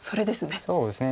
そうですね。